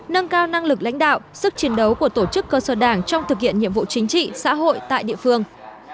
nâng cao năng lực lãnh đạo sức chiến đấu của tổ chức cơ sở đảng trong thực hiện nhiệm vụ chính trị xã hội tại địa phương